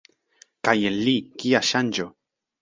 Kaj en li, kia ŝanĝo!